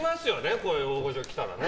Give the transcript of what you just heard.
こういう大御所来たらね。